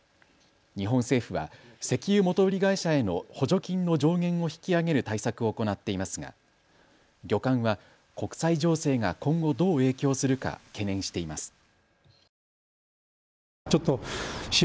日本政府は石油元売り会社への補助金の上限を引き上げる対策を行っていますが旅館は国際情勢が今後、どう影響するか懸念しています。